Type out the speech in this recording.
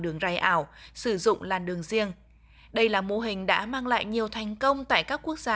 đường ray ảo sử dụng làn đường riêng đây là mô hình đã mang lại nhiều thành công tại các quốc gia